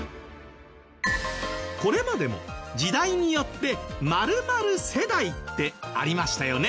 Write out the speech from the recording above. これまでも時代によって○○世代ってありましたよね。